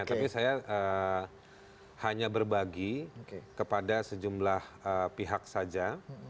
tapi saya hanya berbagi kepada sejumlah pihak saja